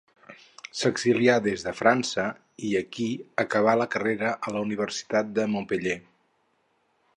S'exilià des de França i aquí acabà la carrera a la Universitat de Montpeller.